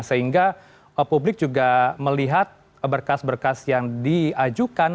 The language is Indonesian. sehingga publik juga melihat berkas berkas yang diajukan